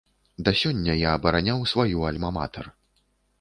Да сёння я абараняў сваю альма-матэр.